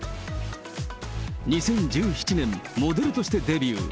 ２０１７年、モデルとしてデビュー。